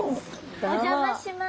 お邪魔します。